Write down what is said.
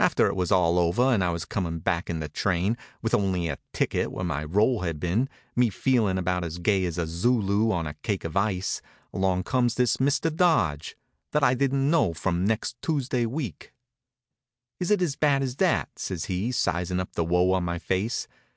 After it was all over and I was comin' back in the train, with only a ticket where my roll had been, me feelin' about as gay as a Zulu on a cake of ice, along comes this Mr. Dodge, that I didn't know from next Tuesday week. "Is it as bad as that?" says he, sizin' up the woe on my face.